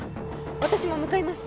私も向かいます